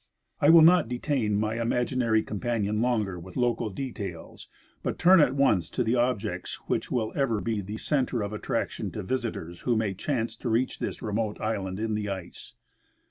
, I will not detain my imaginary companion longer with local details, but turn at once to the objects which will ever be the center of attraction to visitors who may chance to reach this remote island in the ice.